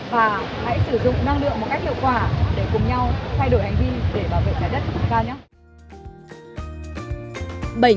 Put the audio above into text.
và hãy sử dụng năng lượng một cách hiệu quả để cùng nhau thay đổi hành vi để bảo vệ trái đất cho chúng ta nhé